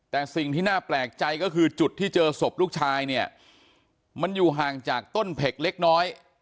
แต่สิ่งที่น่าแปลกใจก็คือจุดที่เจอศพลูกชายเนี่ยมันอยู่ห่างจากต้นเผ็กเล็กน้อย